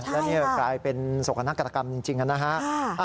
และนี่กลายเป็นโศกนากรกรรมจริงนะฮะ